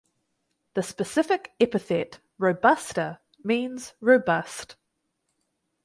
The specific epithet ("robusta") means "robust".